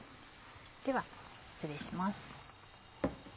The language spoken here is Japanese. では失礼します。